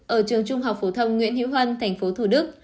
ở trường trung học phú thông nguyễn hiếu hân tp thủ đức